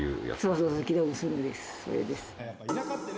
それです。